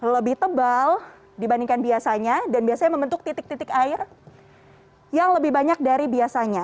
lebih tebal dibandingkan biasanya dan biasanya membentuk titik titik air yang lebih banyak dari biasanya